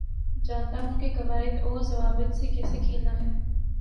جانتا ہوں کے قوائد و ضوابط سے کیسے کھیلنا ہے